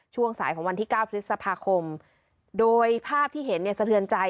ช่วงสายของวันที่๙พฤษภาคมโดยภาพที่เห็นเนี่ยสะเทือนใจ